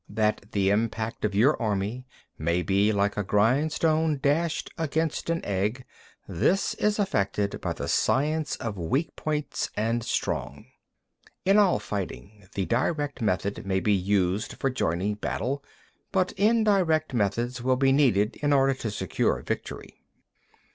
4. That the impact of your army may be like a grindstone dashed against an egg—this is effected by the science of weak points and strong. 5. In all fighting, the direct method may be used for joining battle, but indirect methods will be needed in order to secure victory.